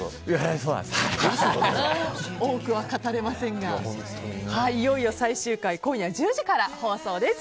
多くは語れませんがいよいよ最終回今夜１０時から放送です。